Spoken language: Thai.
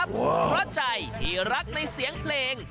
เพราะใจที่รักในเสียงเพลง